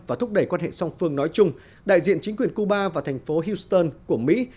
và thúc đẩy quan hệ song phương nói chung đại diện chính quyền cuba và thành phố houston của mỹ